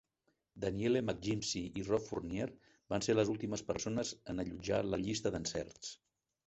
Danielle McGimsie i Rob Fournier van ser les últimes persones en allotjar la "llista d"encerts".